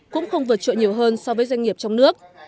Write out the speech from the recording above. cũng không vượt trội nhiều hơn so với doanh nghiệp trong nước